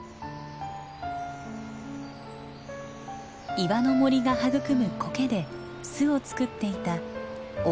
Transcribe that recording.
岩の森が育むコケで巣を作っていたオオルリのメス。